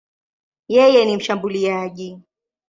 Yeye ni mshambuliaji.